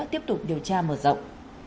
tiếp tục điều tra mở rộng